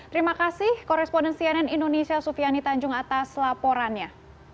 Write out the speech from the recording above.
terima kasih koresponden cnn indonesia sufiani tanjung atas laporannya